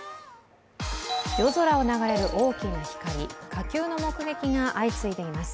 夜空を流れる大きな光、火球の目撃が相次いでいます。